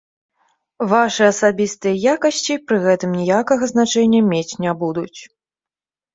Вашы асабістыя якасці пры гэтым ніякага значэння мець не будуць.